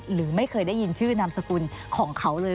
หรือไม่เคยได้ยินชื่อนามสกุลของเขาเลย